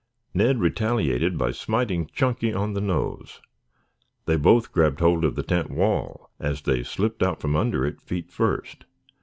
Ned retaliated by smiting Chunky on the nose. Then both grabbed hold of the tent wall as they slipped out from under it feet first.